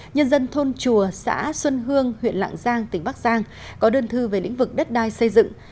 nhân dân thôn chùa xã xuân hương huyện lạng giang tỉnh bắc giang có đơn thư về lĩnh vực đất đai xây dựng